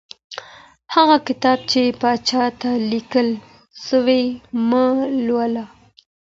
هغه کتاب چي پاچا ته لیکل سوی مه لوله.